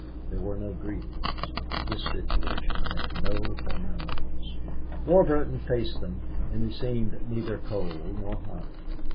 There were no greetings. This situation had no formalities. Warburton faced them and he seemed neither cold nor hot.